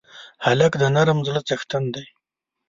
هلک د نرم زړه څښتن دی.